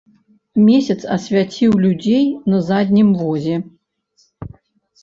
Месяц асвяціў людзей на заднім возе.